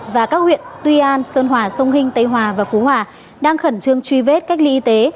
và các huyện tuy an sơn hòa sông hinh tây hòa và phú hòa đang khẩn trương truy vết cách ly y tế